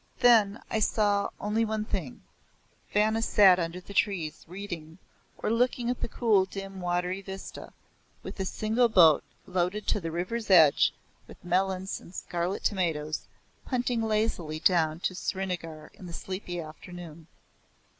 But then, I saw only one thing Vanna sat under the trees, reading, or looking at the cool dim watery vista, with a single boat, loaded to the river's edge with melons and scarlet tomatoes, punting lazily down to Srinagar in the sleepy afternoon.